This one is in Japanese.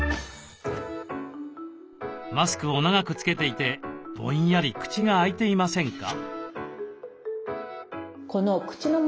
マスクを長くつけていてぼんやり口が開いていませんか？